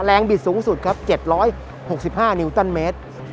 แรงบิดสูงสุด๗๖๕นิวตันเมตร